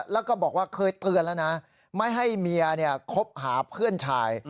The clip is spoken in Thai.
แล้วก็บอกว่าเคยเตือนแล้วนะไม่ให้เมียคบหาเพื่อนชาย